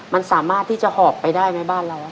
มันสามารถที่จะหอบไปได้ไหมบ้านเรา